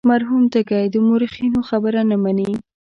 مرحوم تږی د مورخینو خبره نه مني.